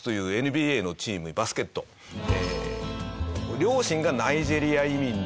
両親がナイジェリア移民で。